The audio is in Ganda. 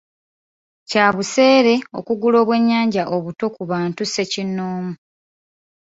Kya buseere okugula obwennyanja obuto ku bantu ssekinnoomu.